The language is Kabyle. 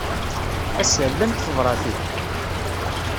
Ass-a, llant tebṛatin?